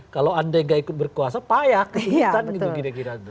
kalau andai gak ikut berkuasa payah ikutan gitu kira kira